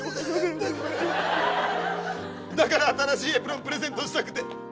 だから新しいエプロンをプレゼントしたくて。